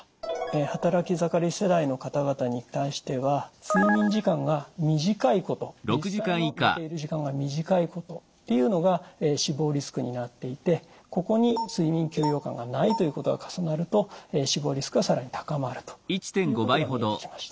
働き盛り世代の方々に対しては睡眠時間が短いこと実際の寝ている時間が短いことというのが死亡リスクになっていてここに睡眠休養感がないということが重なると死亡リスクが更に高まるということが見えてきました。